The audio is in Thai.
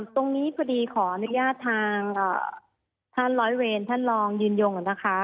ตรงนี้พอดีขออนุญาตทางท่านร้อยเวรท่านลองยืนยงก่อนนะคะ